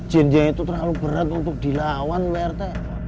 jin jin itu terlalu berat untuk dilawan pak rt